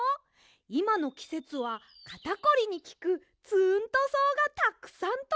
いまのきせつはかたこりにきくツーントそうがたくさんとれるんです！